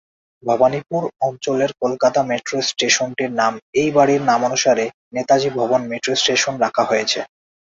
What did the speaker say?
ভবানীপুর অঞ্চলের কলকাতা মেট্রো স্টেশনটির নাম এই বাড়ির নামানুসারে "নেতাজি ভবন মেট্রো স্টেশন" রাখা হয়েছে।